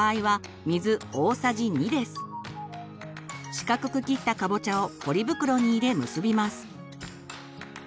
四角く切ったかぼちゃをポリ袋に入れ結びます。